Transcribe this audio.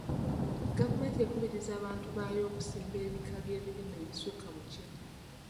Gavumenti ekubiriza abantu baayo okusimba ebika by'ebirime ebisukka mu kimu.